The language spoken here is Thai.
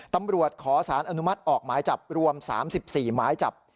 ตำรวจขอสารอนุมัติออกหมายจับรวม๓๔หมายจับ